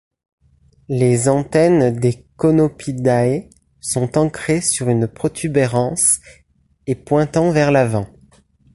Les antennes des Conopidae sont ancrée sur une protubérance et pointant vers l'avant.